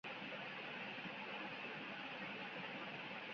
এটিই বাংলা চলচ্চিত্রের সবচেয়ে বড়ো ছবি মুক্তি।